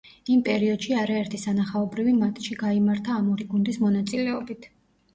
იმ პერიოდში არაერთი სანახაობრივი მატჩი გაიმართა ამ ორი გუნდის მონაწილეობით.